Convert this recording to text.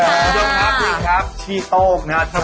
สวัสดีครับพี่ครับที่โต๊คนะครับ